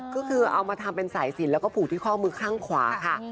ก็คือเอามาทำเป็นสายสินแล้วก็ผูกที่ข้อมือข้างขวาค่ะ